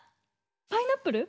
パイナップル？